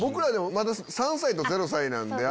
まだ３歳と０歳なんで。